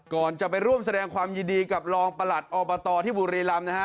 ก่อนจะไปร่วมแสดงความยินดีกับรองประหลัดอบตที่บุรีรำนะฮะ